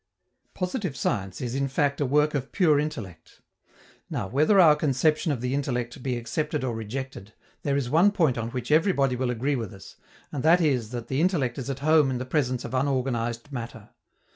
Positive science is, in fact, a work of pure intellect. Now, whether our conception of the intellect be accepted or rejected, there is one point on which everybody will agree with us, and that is that the intellect is at home in the presence of unorganized matter.